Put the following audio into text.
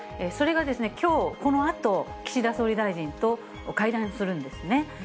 それがきょう、このあと、岸田総理大臣と会談するんですね。